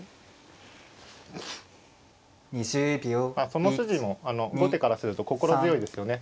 その筋も後手からすると心強いですよね。